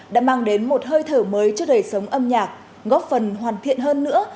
đã mang đến một hơi thở mới cho đời sống âm nhạc góp phần hoàn thiện hơn nữa